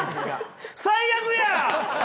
最悪や！